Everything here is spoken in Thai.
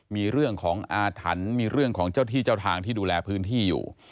มีเรื่องของอาถรรพ์มีเรื่องของเจ้าที่เจ้าทางที่ดูแลพื้นที่อยู่